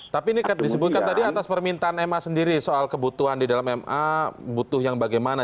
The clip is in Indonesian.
tapi ini disebutkan tadi atas permintaan ma sendiri soal kebutuhan di dalam ma butuh yang bagaimana